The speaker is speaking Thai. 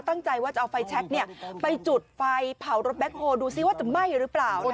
ตั้งใจว่าจะเอาไฟแช็คเนี่ยไปจุดไฟเผารถแบ็คโฮดูสิว่าจะไหม้หรือเปล่านะคะ